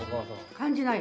感じない？